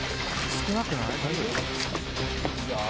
少なくない？